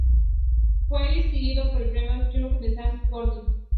Fue distinguido con el Premio Creu de Sant Jordi.